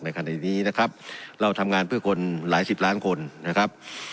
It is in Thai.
คดีนี้นะครับเราทำงานเพื่อคนหลายสิบล้านคนนะครับ